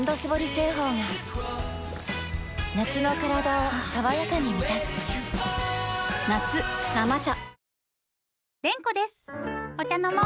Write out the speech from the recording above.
製法が夏のカラダを爽やかに満たす夏「生茶」